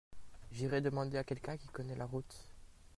J'irai demander à quelqu'un qui connait la route.